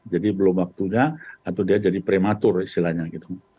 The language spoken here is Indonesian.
jadi belum waktunya atau dia jadi prematur istilahnya gitu